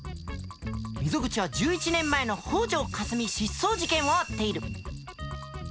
溝口は１１年前の北條かすみ失踪事件を追っている。